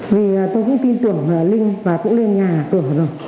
vì tôi cũng tin tưởng linh và cũng lên nhà cửa rồi